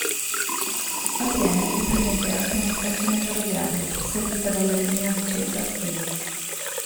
A Thiene è presente anche una stazione ferroviaria, servita dalla linea Vicenza-Schio.